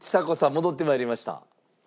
戻ってまいりました。